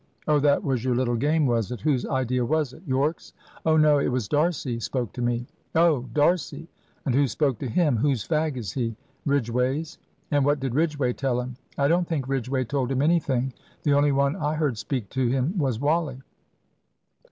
"Oh, that was your little game, was it? Whose idea was it? Yorke's?" "Oh no. It was D'Arcy spoke to me." "Oh, D'Arcy. And who spoke to him? Whose fag is he?" "Ridgway's." "And what did Ridgway tell him?" "I don't think Ridgway told him anything. The only one I heard speak to him was Wally."